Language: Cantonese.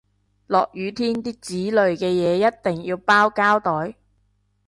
落雨天啲紙類嘅嘢一定要包膠袋